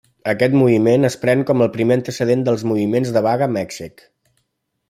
Aquest moviment es pren com el primer antecedent dels moviments de vaga a Mèxic.